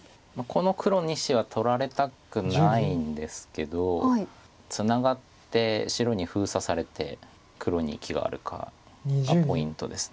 この黒２子は取られたくないんですけどツナがって白に封鎖されて黒に生きがあるかがポイントです。